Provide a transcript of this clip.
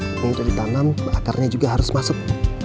ini udah ditanam akarnya juga harus masuk